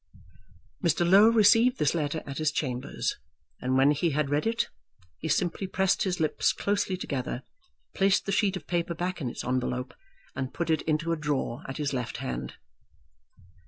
Mr. Low received this letter at his chambers, and when he had read it, he simply pressed his lips closely together, placed the sheet of paper back in its envelope, and put it into a drawer at his left hand.